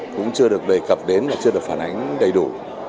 cũng chưa được đề cập đến và chưa được phản ánh đầy đủ